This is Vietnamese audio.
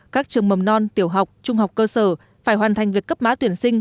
các trường mầm non tiểu học trung học cơ sở phải hoàn thành việc cấp má tuyển sinh